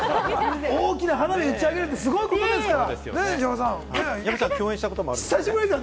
大きな花火を打ち上げられるのは、すごいことですから。